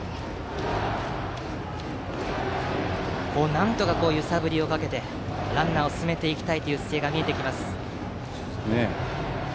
なんとか揺さぶりをかけてランナーを進めていきたいという姿勢が見えています。